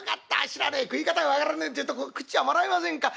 知らねえ食い方が分からねえっていうと食っちゃもらえませんか？」。